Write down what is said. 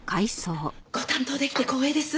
ご担当できて光栄です。